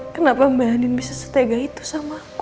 kenapa mbak andin bisa setegak itu sama aku